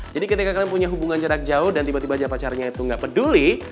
jadi ketika kalian punya hubungan jarak jauh dan tiba tiba aja pacarnya itu gak peduli